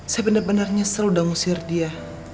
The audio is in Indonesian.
saya bener bener nyesel udah ngusir dia